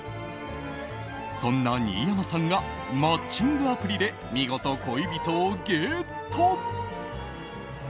そんな新山さんがマッチングアプリで見事恋人をゲット。